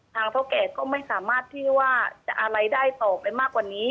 เท่าแก่ก็ไม่สามารถที่ว่าจะอะไรได้ต่อไปมากกว่านี้